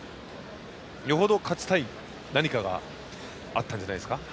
よほど勝ちたい何かがあったんじゃないんですか。